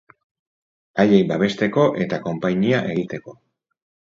Haiek babesteko eta konpainia egiteko.